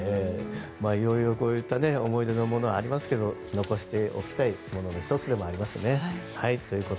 いろいろこういった思い出のものがありますけど残しておきたいものの１つでもありますね。